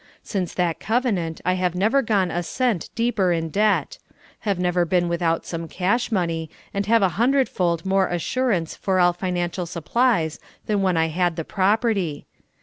Since that covenant I have never gone a cent deeper in debt ; have never been without some cash money, and have a hundred fold more assurance for all financial supplies than when I had the property.